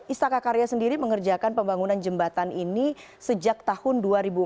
istaka karya sendiri mengerjakan pembangunan jembatan ini sejak tahun dua ribu empat belas